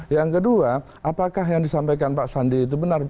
yang kedua apakah yang disampaikan pak sandi itu benar